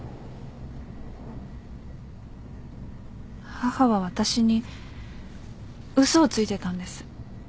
母は私に嘘をついてたんです。